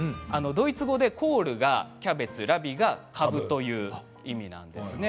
ドイツ語でコールはキャベツラビはかぶという意味なんです。